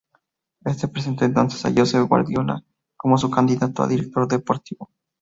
Éste presentó entonces a Josep Guardiola como su candidato a director deportivo.